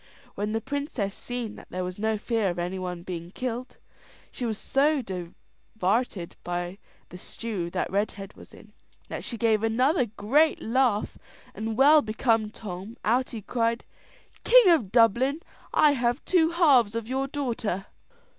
When the princess seen that there was no fear of any one being kilt, she was so divarted by the stew that Redhead was in, that she gave another great laugh; and well become Tom, out he cried, "King of Dublin, I have two halves of your daughter."